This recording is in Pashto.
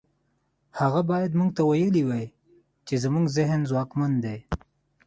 هغه بايد موږ ته ويلي وای چې زموږ ذهن ځواکمن دی.